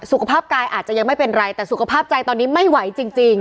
สุขภาพกายอาจจะยังไม่เป็นไรแต่สุขภาพใจตอนนี้ไม่ไหวจริง